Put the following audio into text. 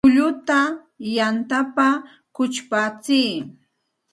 Kulluta yantapa kuchpatsiy